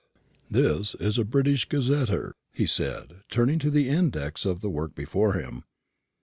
"This is a British gazetteer," he said, turning to the index of the work before him.